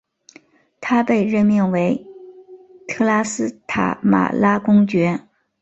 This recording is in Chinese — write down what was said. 他被任命为特拉斯塔马拉公爵。